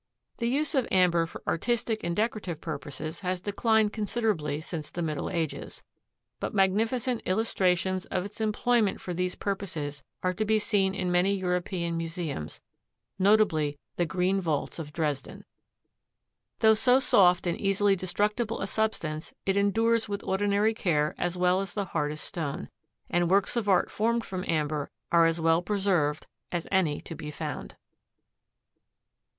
The use of amber for artistic and decorative purposes has declined considerably since the Middle Ages, but magnificent illustrations of its employment for these purposes are to be seen in many European museums, notably the Green Vaults of Dresden. Though so soft and easily destructible a substance it endures with ordinary care as well as the hardest stone, and works of art formed from amber are as well preserved as any to be found.